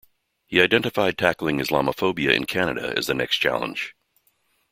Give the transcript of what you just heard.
He identified tackling Islamophobia in Canada as the next challenge.